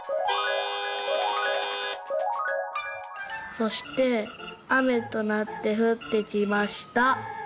「そしてあめとなってふってきました。